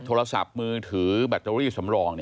โทรศัพท์มือถือแบตเตอรี่สำรอง